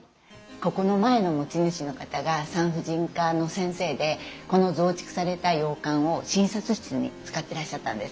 ここの前の持ち主の方が産婦人科の先生でこの増築された洋館を診察室に使ってらっしゃったんです。